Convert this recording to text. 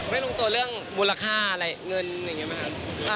ไม่ลงตัวเรื่องมูลค่าอะไรเงินอย่างเงี้ยมั้ยค่ะ